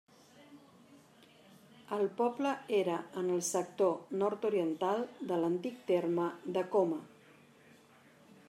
El poble era en el sector nord-oriental de l'antic terme de Coma.